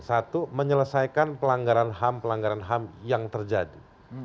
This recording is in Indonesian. satu menyelesaikan pelanggaran ham pelanggaran ham yang terjadi